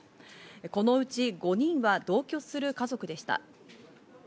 このうち５人は同居する家族でした。